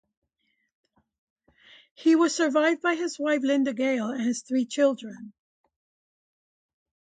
He was survived by his wife Linda Gale and his three children.